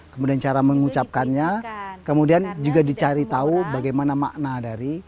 kemudian cara mengucapkannya kemudian juga dicari tahu bagaimana makna dari